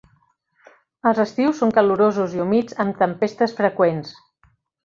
Els estius són calorosos i humits, amb tempestes freqüents.